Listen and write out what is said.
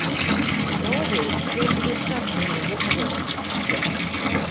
Наогул, ён увесь час трымаў вуха востра.